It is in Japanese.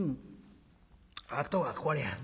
あとはこれやな。